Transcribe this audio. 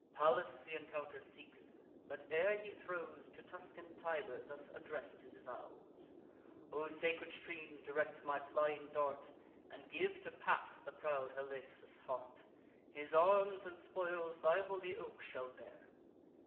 Pallas th' encounter seeks, but, ere he throws, To Tuscan Tiber thus address'd his vows: "O sacred stream, direct my flying dart, And give to pass the proud Halesus' heart! His arms and spoils thy holy oak shall bear."